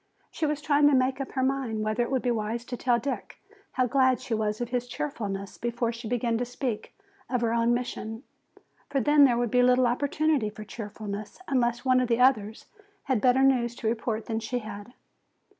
She was trying to make up her mind whether it would be wise to tell Dick how glad she was of his cheerfulness before she began to speak of her own mission. For then there would be little opportunity for cheerfulness unless one of the others had better news to report than she had.